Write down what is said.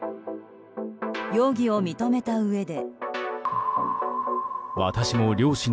容疑を認めたうえで。